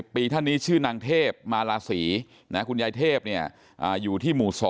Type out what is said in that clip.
ปีท่านนี้ชื่อนางเทพมาลาศรีคุณยายเทพอยู่ที่หมู่๒